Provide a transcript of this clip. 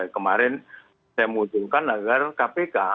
kemarin saya mengusulkan agar kpk